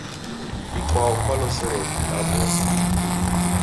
Ikwau kwalosero kihi aboo?